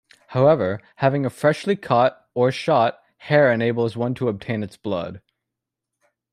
However, having a freshly caught, or shot, hare enables one to obtain its blood.